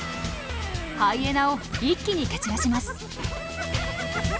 ハイエナを一気に蹴散らします。